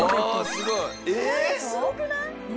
すごくない？